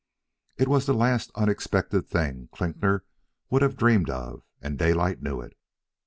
It was the last unexpected thing Klinkner would have dreamed of, and Daylight knew it.